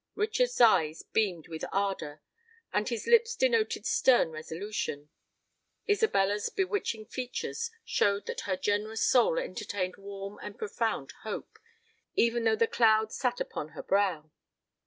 Richard's eyes beamed with ardour, and his lips denoted stern resolution: Isabella's bewitching features showed that her generous soul entertained warm and profound hope, even though the cloud sate upon her brow.